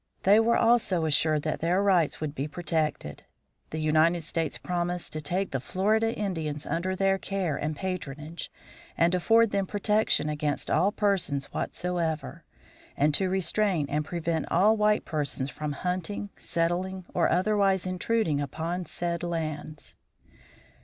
They were also assured that their rights would be protected. The United States promised "to take the Florida Indians under their care and patronage, and afford them protection against all persons whatsoever," and to "restrain and prevent all white persons from hunting, settling, or otherwise intruding, upon said lands."